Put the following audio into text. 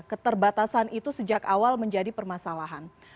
keterbatasan itu sejak awal menjadi permasalahan